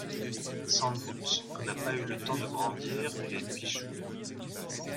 Sans doute qu'on n'a pas eu le temps de brandir les pichoux.